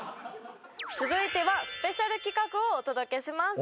続いてはスペシャル企画をお届けします